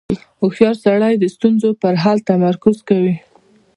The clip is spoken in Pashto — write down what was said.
• هوښیار سړی د ستونزو پر حل تمرکز کوي.